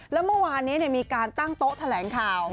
แล้วเมื่อวานนี้มีการตั้งโต๊ะแถลงข่าว